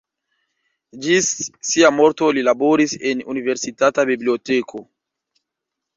Ĝis sia morto li laboris en Universitata Biblioteko.